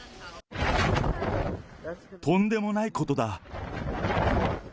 とんでもないことだ。